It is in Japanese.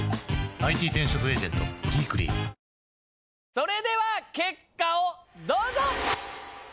それでは結果をどうぞ！